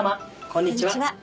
こんにちは。